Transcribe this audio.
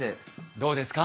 どうですか？